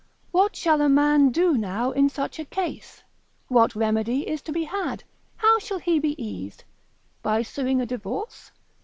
What shall a man do now in such a case? What remedy is to be had? how shall he be eased? By suing a divorce?